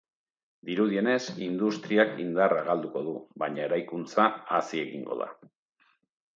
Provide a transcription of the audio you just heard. Dirudienez, industriak indarra galduko du, baina eraikuntza hazi egingo da.